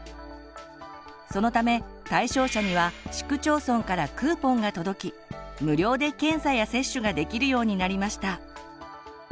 そのため対象者には市区町村からクーポンが届き無料で検査や接種ができるようになりました。